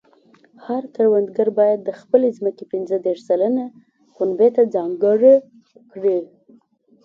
هر کروندګر باید د خپلې ځمکې پنځه دېرش سلنه پنبې ته ځانګړې کړي.